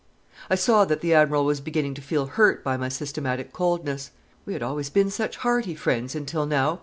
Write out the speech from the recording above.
I saw that the Admiral was beginning to feel hurt by my systematic coldness. 'We had always been such hearty friends until now.